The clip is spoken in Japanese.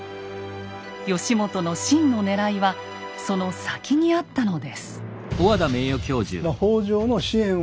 義元の真のねらいはその先にあったのです。